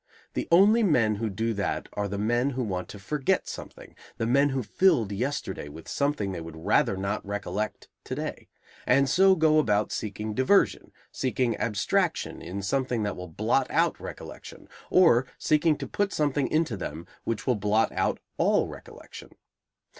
The only men who do that are the men who want to forget something, the men who filled yesterday with something they would rather not recollect to day, and so go about seeking diversion, seeking abstraction in something that will blot out recollection, or seeking to put something into them which will blot out all recollection.